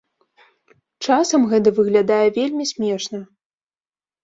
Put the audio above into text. Часам гэта выглядае вельмі смешна.